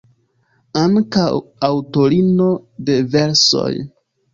Ankaŭ aŭtorino de versoj.